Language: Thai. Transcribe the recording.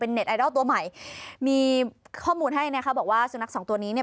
เน็ตไอดอลตัวใหม่มีข้อมูลให้นะคะบอกว่าสุนัขสองตัวนี้เนี่ย